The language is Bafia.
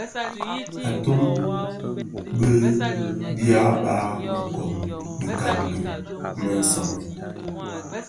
Atum bi dyaba mëkangi më somèn.